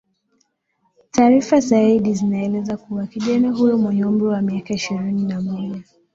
taarifa zaidi zinaeleza kuwa kijana huyo mwenye umri wa miaka ishirini na mmoja